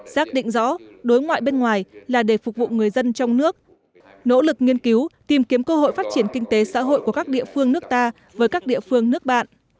xác định rõ đối ngoại bên ngoài là để phục vụ người dân trong nước nỗ lực nghiên cứu tìm kiếm cơ hội phát triển kinh tế xã hội của các địa phương nước ta với các địa phương nước bạn